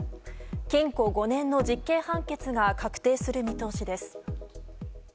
禁錮５年の実刑判決が確定する見通しです。